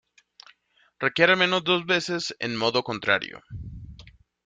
Requiere al menos dos voces en "modo contrario".